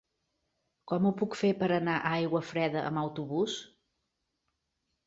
Com ho puc fer per anar a Aiguafreda amb autobús?